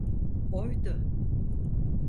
Oydu!